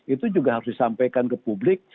itu juga harus disampaikan ke publik